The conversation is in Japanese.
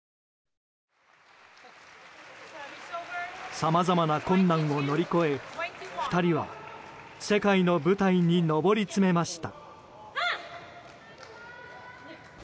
さまざまな困難を乗り越え２人は世界の舞台に上り詰めました。